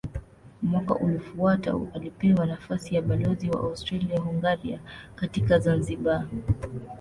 Mwaka uliofuata alipewa nafasi ya balozi wa Austria-Hungaria katika Zanzibar.